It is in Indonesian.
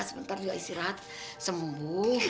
sebentar juga istirahat sembuh